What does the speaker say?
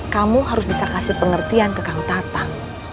kamu harus bisa kasih pengertian ke kang tatang